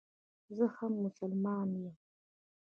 زه هم مسلمانه یم.